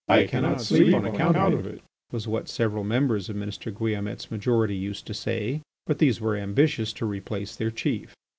"I cannot sleep on account of it!" was what several members of Minister Guillaumette's majority used to say. But these were ambitious to replace their chief.